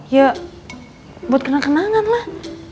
ya buat kena kenangan lah